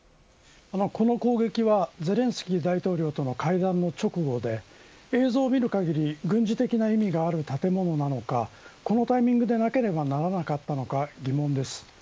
この攻撃はゼレンスキー大統領との会談の直後で映像を見る限り軍事的な意味がある建物なのかこのタイミングでなければならなかったのか疑問です。